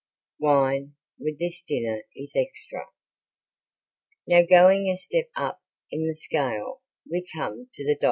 Wine with this dinner is extra. Now going a step up in the scale we come to the $1.